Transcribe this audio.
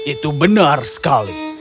itu benar sekali